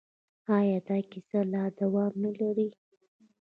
آیا دا کیسه لا دوام نلري؟